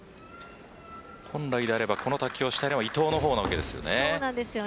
本来であればこの卓球をしたいのは伊藤なわけですよね。